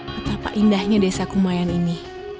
betapa indahnya desa kumayan ini